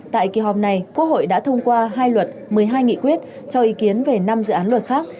tại kỳ họp này quốc hội đã thông qua hai luật một mươi hai nghị quyết cho ý kiến về năm dự án luật khác